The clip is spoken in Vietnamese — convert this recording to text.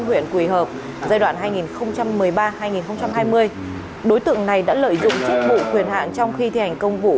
huyện quỳ hợp giai đoạn hai nghìn một mươi ba hai nghìn hai mươi đối tượng này đã lợi dụng chức vụ quyền hạn trong khi thi hành công vụ